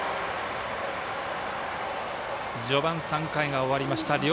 序盤３回が終わりました。